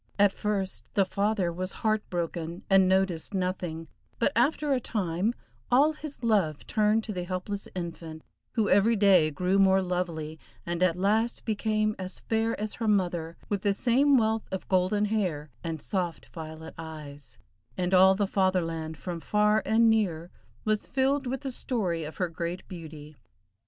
At first the father was heart broken, and noticed nothing, but after a time all his love turned to the helpless infant, who every day grew more lovely, and at last became as fair as her mother, with the same wealth of golden hair and soft violet eyes, and all the Fatherland, from far and near, was filled with the story of her great beauty.